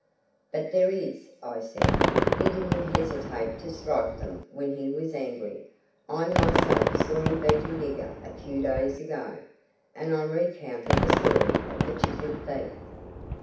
"But there is," I said. "He didn't hesitate to strike them when he was angry. I myself saw him beat a nigger a few days ago," and I recounted the story of the chicken thief.